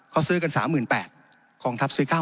เค้าซื้อกัน๓๘๐๐๐บาทกองทัพซื้อ๙๑๐๐๐บาท